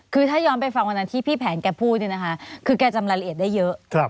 คือถ้าย้อนไปฟังวันนั้นที่พี่แผนแกพูดเนี่ยนะคะคือแกจำรายละเอียดได้เยอะ